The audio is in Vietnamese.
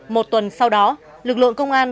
một tuần sau đó lực lượng công an